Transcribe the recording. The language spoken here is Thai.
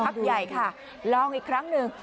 ใหญ่ค่ะลองอีกครั้งหนึ่ง